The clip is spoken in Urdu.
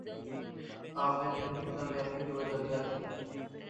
آخر ان کی کامیابی کی وجہ کیا تھی